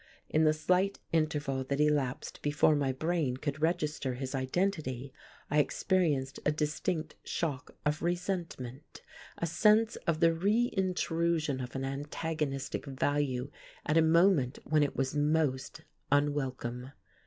In the slight interval that elapsed before my brain could register his identity I experienced a distinct shock of resentment; a sense of the reintrusion of an antagonistic value at a moment when it was most unwelcome....